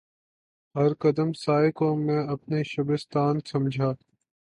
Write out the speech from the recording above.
ہر قدم سائے کو میں اپنے شبستان سمجھا